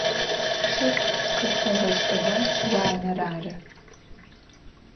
Шыр къызфэгъэшӏыгъэр уанэр ары.